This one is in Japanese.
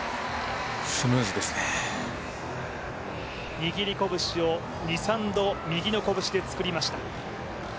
握り拳を２３度、右の拳で作りました。